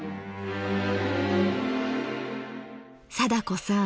貞子さん